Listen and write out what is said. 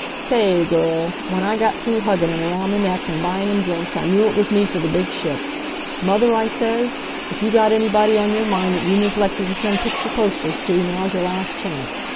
"Sa a a ay, girl, w'en I got through huggin' him around the neck an' buyin' him drinks I knew it was me for the big ship. 'Mother,' I says, 'if you got anybody on your mind that you neglected t' send picture postals to, now's' your last chance.